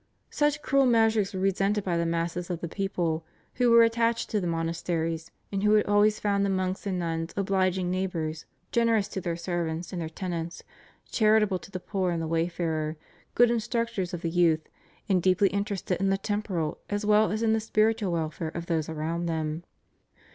Such cruel measures were resented by the masses of the people, who were attached to the monasteries, and who had always found the monks and nuns obliging neighbours, generous to their servants and their tenants, charitable to the poor and the wayfarer, good instructors of the youth, and deeply interested in the temporal as well as in the spiritual welfare of those around them.